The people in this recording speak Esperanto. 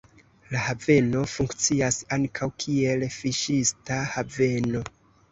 La haveno funkcias ankaŭ, kiel fiŝista haveno.